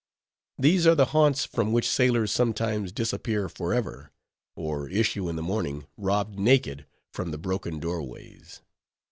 These are the haunts from which sailors sometimes disappear forever; or issue in the morning, robbed naked, from the broken doorways.